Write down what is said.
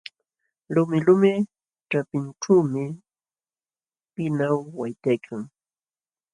Lumilumi ćhapinćhuumi pinaw waytaykan.